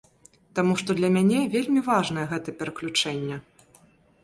Таму што для мяне вельмі важнае гэтае пераключэнне.